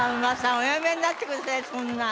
おやめになってくださいそんな。